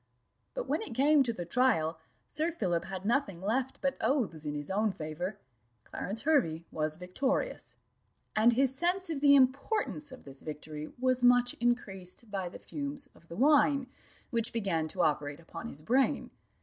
But when it came to the trial, Sir Philip had nothing left but oaths in his own favour. Clarence Hervey was victorious; and his sense of the importance of this victory was much increased by the fumes of the wine, which began to operate upon his brain.